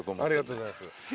ありがとうございます。